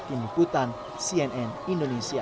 inputan cnn indonesia